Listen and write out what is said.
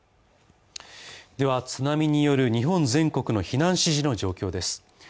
では津波による日本全国の避難指示の状況です。